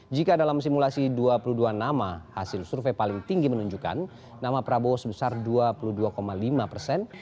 jika dalam simulasi dua puluh dua nama hasil survei paling tinggi menunjukkan nama prabowo sebesar dua puluh dua lima persen